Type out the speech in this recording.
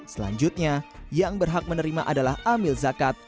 selanjutnya yang berhak menerima adalah amil zakat